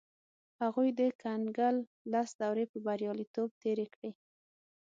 هغوی د کنګل لس دورې په بریالیتوب تېرې کړې.